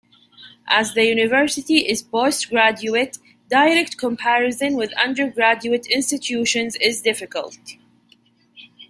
As the university is postgraduate, direct comparison with undergraduate institutions is difficult.